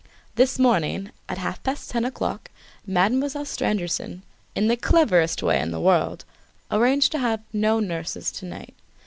This morning, at half past ten o'clock, Mademoiselle Stangerson, in the cleverest way in the world, arranged to have no nurses to night.